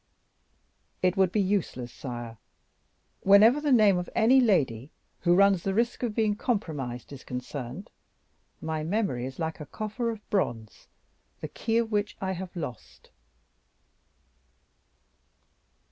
"It would be useless, sire. Whenever the name of any lady who runs the risk of being compromised is concerned, my memory is like a coffer of bronze, the key of which I have lost."